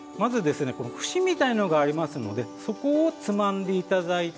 節みたいなものがありますのでそこをつまんでいただいて。